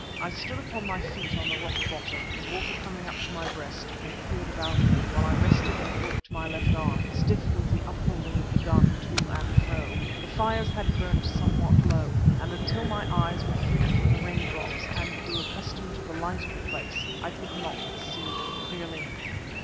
I stood upon my feet on the rock bottom, the water coming up to my breast, and peered about me, while I rested and worked my left arm, stiff with the up holding of the gun, to and fro. The fires had burnt somewhat low and until my eyes were freed from the raindrops and grew accustomed to the light of the place I could not see clearly.